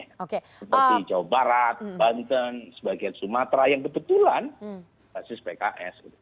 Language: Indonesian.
seperti jawa barat banten sebagian sumatera yang kebetulan basis pks